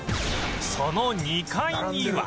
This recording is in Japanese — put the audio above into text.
その２階には